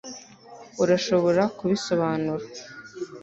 urashobora kubisobanura